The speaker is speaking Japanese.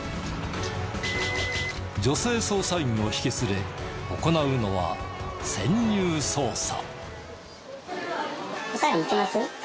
女性捜査員を引き連れ行うのは潜入捜査。